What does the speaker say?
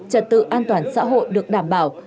trật tự an toàn xã hội được đảm bảo